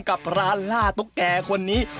กับร้านล่าตุ๊กแก่คนนี้